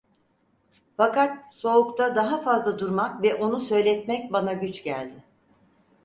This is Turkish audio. Fakat soğukta daha fazla durmak ve onu söyletmek bana güç geldi.